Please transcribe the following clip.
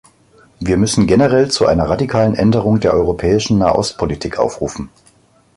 Wir müssen generell zu einer radikalen Änderung der europäischen Nahostpolitik aufrufen.